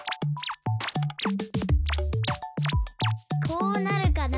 こうなるかなあ。